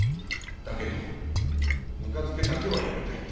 だけどぬか漬けだけはやめたいって。